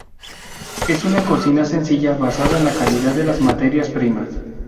Es una cocina sencilla basada en la calidad de las materias primas.